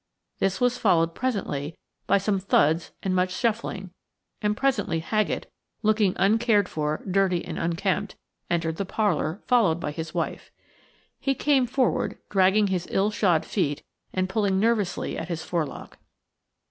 This was followed presently by some thuds and much shuffling, and presently Haggett, looking uncared for, dirty, and unkempt, entered the parlour, followed by his wife. He came forward, dragging his ill shod feet and pulling nervously at his forelock.